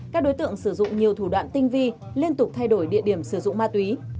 các đối tượng sử dụng nhiều thủ đoạn tinh vi liên tục thay đổi địa điểm sử dụng ma túy